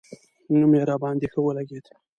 نوم یې راباندې ښه ولګېد.